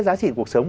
giá trị cuộc sống